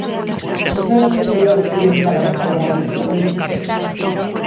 ¿Esa é a seguridade xurídica da que falabamos esta mañá?